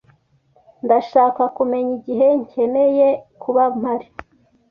Ndashaka kumenya igihe nkeneye kuba mpari.